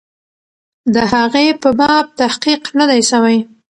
د هغې په باب تحقیق نه دی سوی.